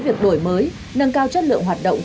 việc đổi mới nâng cao chất lượng hoạt động